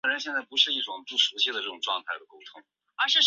龙州山牡荆为马鞭草科牡荆属下的一个变型。